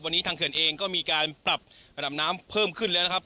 วันนี้ทางเขื่อนเองก็มีการปรับระดับน้ำเพิ่มขึ้นแล้วนะครับ